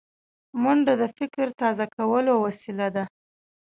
منډه د فکر تازه کولو وسیله ده